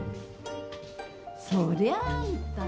・そりゃあんた。